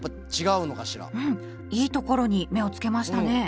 いいところに目をつけましたね。